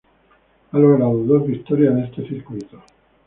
Ha logrado dos victorias en este circuito.